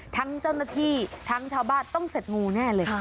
ทั้งเจ้าหน้าที่ทั้งชาวบ้านต้องเสร็จงูแน่เลย